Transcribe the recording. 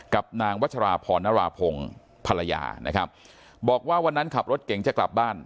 กับนางวัชราพรนราพงศ์ภรรยานะครับบอกว่าวันนั้นขับรถเก่งจะกลับบ้าน